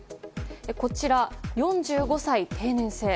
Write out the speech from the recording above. こちら、４５歳定年制。